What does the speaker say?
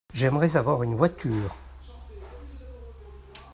j'aimerais avoir une voiture.